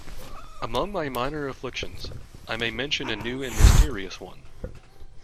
Among my minor afflictions, I may mention a new and mysterious one.